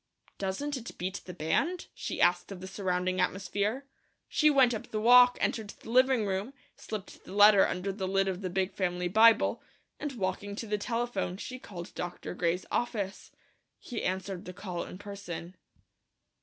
"Doesn't it beat the band?" she asked of the surrounding atmosphere. She went up the walk, entered the living room, slipped the letter under the lid of the big family Bible, and walking to the telephone she called Dr. Gray's office. He answered the call in person.